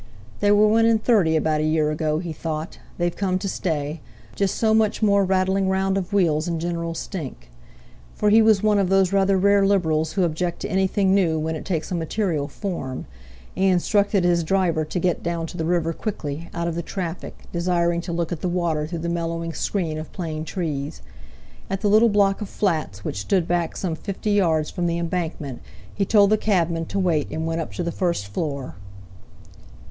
"They were one in thirty about a year ago," he thought; "they've come to stay. Just so much more rattling round of wheels and general stink"—for he was one of those rather rare Liberals who object to anything new when it takes a material form; and he instructed his driver to get down to the river quickly, out of the traffic, desiring to look at the water through the mellowing screen of plane trees. At the little block of flats which stood back some fifty yards from the Embankment, he told the cabman to wait, and went up to the first floor.